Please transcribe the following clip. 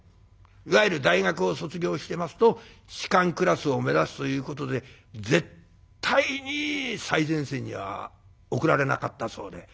いわゆる大学を卒業してますと士官クラスを目指すということで絶対に最前線には送られなかったそうで。